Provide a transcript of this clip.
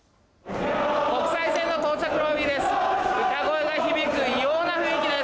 国際線の到着ロビーです。